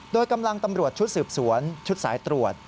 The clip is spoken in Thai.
โดยกำลังตำรวจชุดสืบสวนชุดสายตรวจ